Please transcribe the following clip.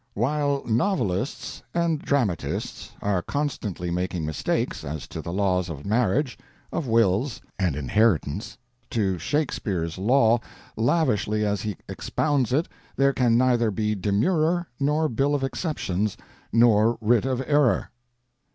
"While novelists and dramatists are constantly making mistakes as to the laws of marriage, of wills, and inheritance, to Shakespeare's law, lavishly as he expounds it, there can neither be demurrer, nor bill of exceptions, nor writ of error."